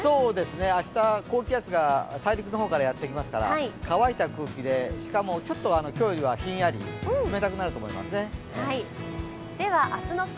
明日、高気圧が大陸の方からやってきますから乾いた空気で、しかもちょっと今日よりはひんやり、冷たくなると思いますね。